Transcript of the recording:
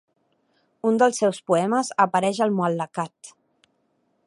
Un dels seus poemes apareix al Mual·laqat.